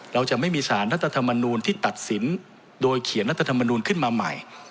เราจะไม่มีสารรัฐธรรมนูลที่ตัดสินโดยเขียนรัฐธรรมนูลขึ้นมาใหม่